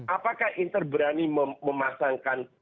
apakah inter berani memasangkan